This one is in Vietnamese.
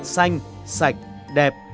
xanh sạch đẹp